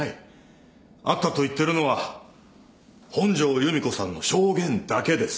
あったと言っているのは本庄由美子さんの証言だけです。